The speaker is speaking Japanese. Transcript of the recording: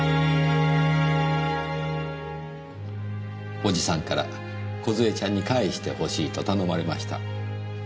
おじさんから梢ちゃんに返してほしいと頼まれました。